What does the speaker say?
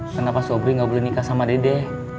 kenapa sobri gak boleh nikah sama dede